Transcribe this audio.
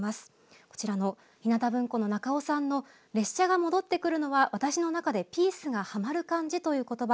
こちらのひなた文庫の中尾さんの「列車が戻ってくるのは私の中で“ピース”がはまる感じ」という言葉